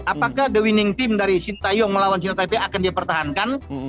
apakah the winning team dari sintayong melawan cina tip akan dipertahankan